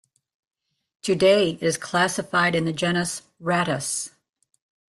Today it is classified in the genus "Rattus".